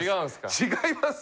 違います！